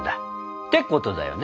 ってことだよね？